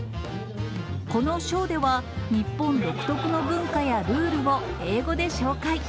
このショーでは、日本独特の文化やルールを英語で紹介。